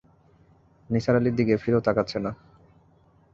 নিসার আলির দিকে ফিরেও তাকাচ্ছে না।